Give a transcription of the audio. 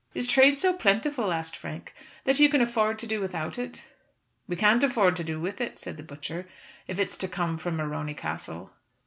"Is trade so plentiful?" asked Frank, "that you can afford to do without it?" "We can't afford to do with it," said the butcher, "if it's to come from Morony Castle."